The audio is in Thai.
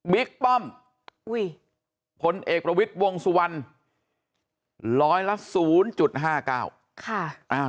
บิ๊กป้อมผลเอกประวิทย์วงสุวรรณร้อยละ๐๕๙